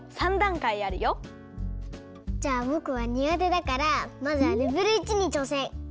じゃあぼくはにがてだからまずはレベル１にちょうせん。